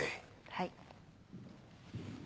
はい。